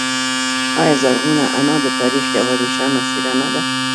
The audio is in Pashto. آیا زرغونه انا د تاریخ یوه روښانه څیره نه ده؟